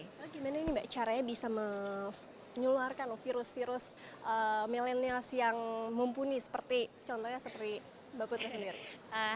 gimana ini mbak caranya bisa menyuluarkan virus virus millennials yang mumpuni seperti contohnya seperti mbak putri sendiri